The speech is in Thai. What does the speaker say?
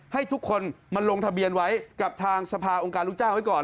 ให้ทุกคนมาลงทะเบียนไว้กับทางสภาองค์การลูกจ้างไว้ก่อน